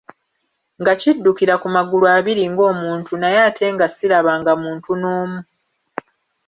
Nga kiddukira ku magulu abiri ng'omuntu, naye ate nga sirabanga muntu n'omu.